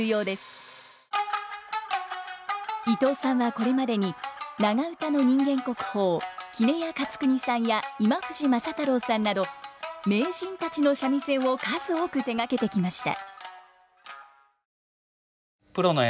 伊藤さんはこれまでに長唄の人間国宝杵屋勝国さんや今藤政太郎さんなど名人たちの三味線を数多く手がけてきました。